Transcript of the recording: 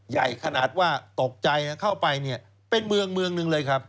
ใหญ่ขนาดว่าตกใจเข้าไปเนี่ยเป็นเมืองเมืองหนึ่งเลยครับ